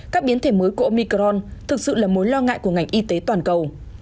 các biến thể mới của omicron thực sự là mối lo ngại của ngành y tế toàn cầu